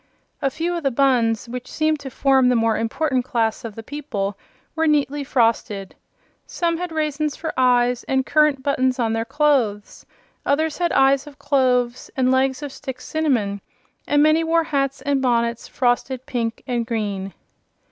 A few of the buns, which seemed to form the more important class of the people, were neatly frosted. Some had raisins for eyes and currant buttons on their clothes; others had eyes of cloves and legs of stick cinnamon, and many wore hats and bonnets frosted pink and green.